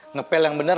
ngepel yang bener